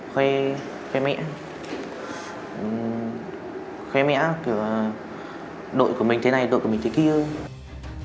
khuê mẹ kiểu là đội của mình thế này đội của mình thế kia